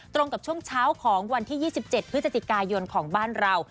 ตรงกับช่วงเช้าของวันที่๒๗พฤศจิกายนของบ้านเรา